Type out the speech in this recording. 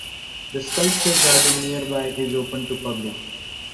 The sculpture garden nearby is open to public.